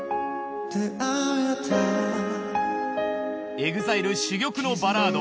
ＥＸＩＬＥ珠玉のバラード